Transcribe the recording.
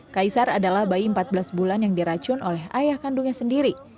kaisar adalah bayi empat belas bulan yang diracun oleh ayah kandungnya sendiri